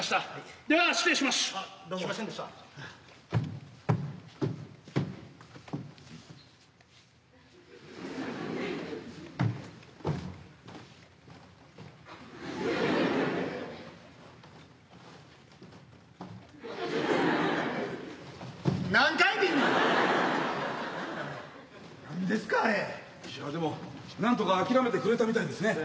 いやでもなんとか諦めてくれたみたいですね。